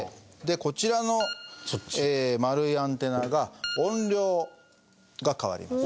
こちらの丸いアンテナが音量が変わります。